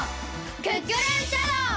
クックルンシャドー！